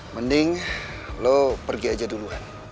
mending lo pergi aja duluan